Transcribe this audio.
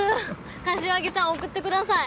柏木さん送ってください。